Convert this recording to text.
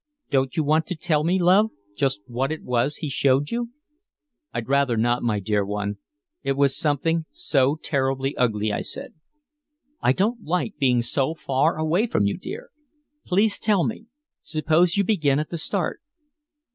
"Don't you want to tell me, love, just what it was he showed you?" "I'd rather not, my dear one, it was something so terribly ugly," I said. "I don't like being so far away from you, dear. Please tell me. Suppose you begin at the start."